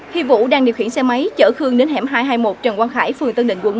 khi vũ đang điều khiển xe máy chở khương đến hẻm hai trăm hai mươi một trần quang khải phường tân định quận một